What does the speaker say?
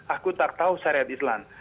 aku tak tahu syariat islam